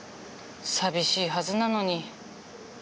寂しいはずなのに。